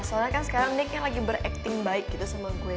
soalnya kan sekarang nicknya lagi ber acting baik gitu sama gue